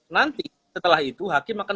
nanti setelah itu hakim akan